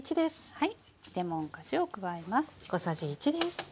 はい。